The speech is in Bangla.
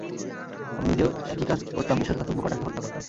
আমি নিজেও একই কাজ করতাম- বিশ্বাসঘাতক বোকাটাকে হত্যা করতাম।